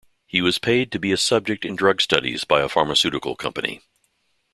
He was paid to be a subject in drug studies by a pharmaceutical company.